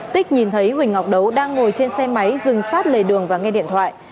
tích nhìn thấy huỳnh ngọc đấu đang ngồi trên xe máy dừng sát lề đường và nghe điện thoại